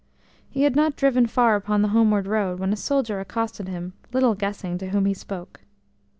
He had not driven far upon the homeward road when a soldier accosted him, little guessing to whom he spoke.